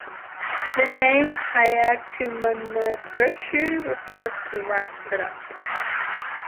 The name "Hyakumangoku" refers to rice production.